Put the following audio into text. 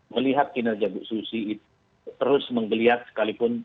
melihat kinerja bu susi itu terus menggeliat sekalipun